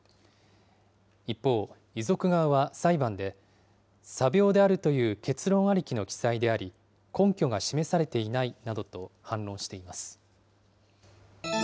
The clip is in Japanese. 一方、遺族側は裁判で、詐病であるという結論ありきの記載であり、根拠が示されていないなどと反論しています。